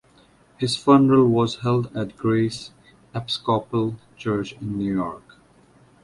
His funeral was held at Grace Episcopal Church in New York.